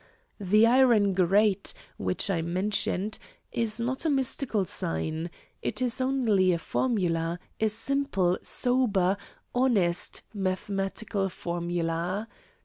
The iron grate, which I mentioned, is not a mystical sign; it is only a formula, a simple, sober, honest, mathematical formula.